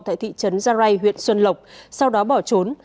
tại thị trấn gia rai huyện xuân lộc sau đó bỏ trốn